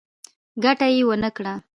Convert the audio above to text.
ګټه یې ونه کړه.